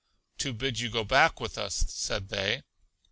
To bid you go back with us, said they.